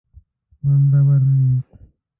خوندور لیک